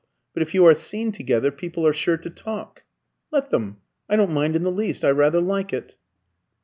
But if you are seen together, people are sure to talk." "Let them. I don't mind in the least I rather like it."